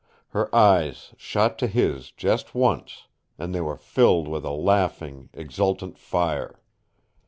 Her eyes shot to his just once, and they were filled with a laughing, exultant fire.